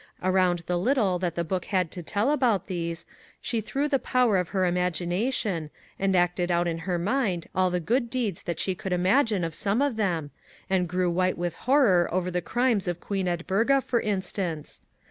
Around the little that the book had to tell about these, she threw the power of her imagination, and acted out in her mind all the good deeds that she could imagine of some of them, and grew white with horror over the crimes of Queen Edburga, for in stance.